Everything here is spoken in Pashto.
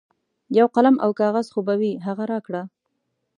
یو قلم او کاغذ خو به وي هغه راکړه.